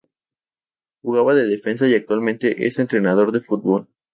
Jugaba de defensa y actualmente es entrenador de fútbol.